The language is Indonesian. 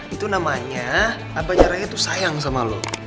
itu namanya abah caranya tuh sayang sama lo